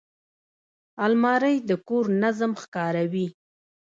الماري د کور نظم ښکاروي